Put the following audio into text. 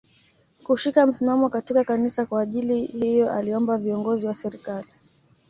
Kushika msimamo katika Kanisa Kwa ajili hiyo aliomba viongozi wa serikali